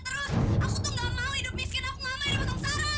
terus aku tuh nggak mau hidup miskin aku ngamain